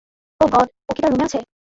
ওহ God, ও কি তার রুমে আছে?